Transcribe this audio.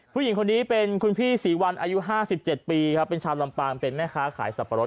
ผู้หญิงคนนี้เป็นคุณพี่ศรีวันอายุ๕๗ปีครับเป็นชาวลำปางเป็นแม่ค้าขายสับปะรด